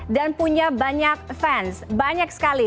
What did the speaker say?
dan punya banyak fans banyak sekali